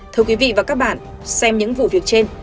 thưa quý vị và các bạn xem những vụ việc trên